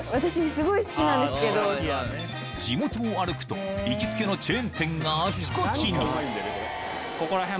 地元を歩くと行きつけのチェーン店があちこちにここら辺